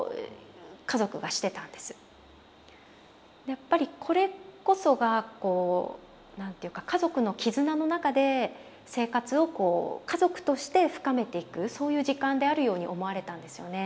やっぱりこれこそがこう何ていうか家族の絆の中で生活をこう家族として深めていくそういう時間であるように思われたんですよね。